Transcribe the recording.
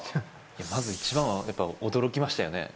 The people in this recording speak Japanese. まず一番はやっぱり驚きましたよね